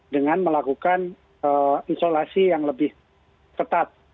dengan melakukan isolasi yang lebih ketat